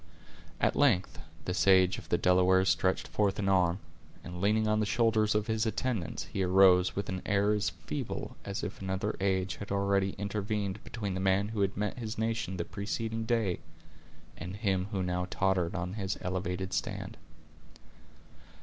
At length, the sage of the Delawares stretched forth an arm, and leaning on the shoulders of his attendants, he arose with an air as feeble as if another age had already intervened between the man who had met his nation the preceding day, and him who now tottered on his elevated stand.